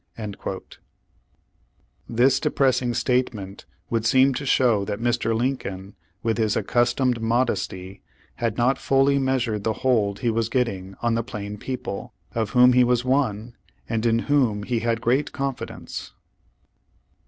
° This depressing statement would seem to show that Mr. Lincoln, with his accustomed modesty, had not fully measured the hold he was getting on the plain people, of whom he was one, and in whom ha had great confidence.